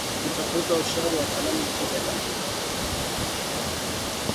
Kutafuta ushauri wa wataalamu wa tiba za mifugo